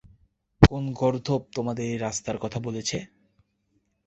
কোন গর্দভ তোমাদের এই রাস্তার কথা বলেছে?